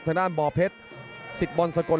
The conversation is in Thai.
ทางด้านบ่อเพชรสิกบอลสกล